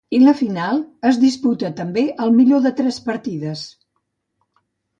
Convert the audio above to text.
I la final es disputa també al millor de tres partides.